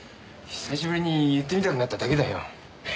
久しぶりに言ってみたくなっただけだよ。